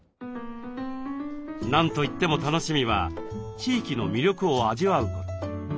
何といっても楽しみは地域の魅力を味わうこと。